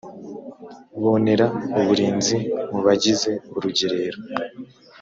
bonera uburinzi mu bagize urugerero